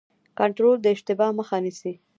کنټرول د اشتباه مخه نیسي